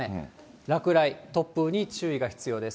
落雷、突風に注意が必要です。